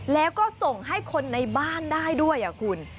แล้วก็ส่งให้คนในบ้านได้ด้วยคุณ